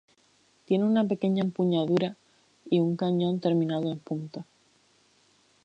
Tiene una pequeña empuñadura y un cañón terminado en punta.